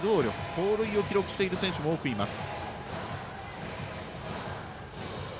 盗塁を記録している選手も多くいます。